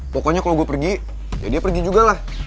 pokoknya kalau gue pergi ya dia pergi juga lah